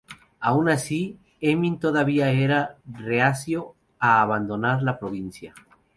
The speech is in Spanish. Aun así, Emin todavía era reacio a abandonar la provincia.